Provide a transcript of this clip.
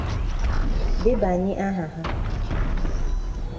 debanye aha ha